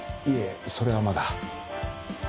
いえそれはまだ。